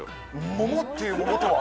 桃っていう桃とは？